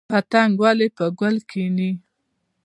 پتنګ ولې په ګل کیني؟